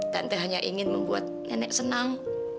tante hanya ingin membuat nenek senang